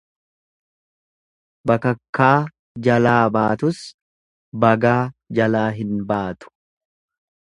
Bakakkaa jalaa baatus bagaa jalaa hin baatu.